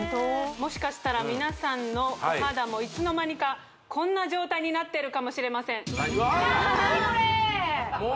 もしかしたら皆さんのお肌もいつの間にかこんな状態になってるかもしれませんうわっ！